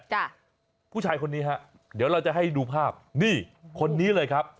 ผู้ชายคนนี้ฮะเดี๋ยวเราจะให้ดูภาพนี่คนนี้เลยครับ